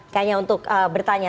kayaknya untuk bertanya